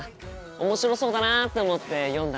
面白そうだなって思って読んだ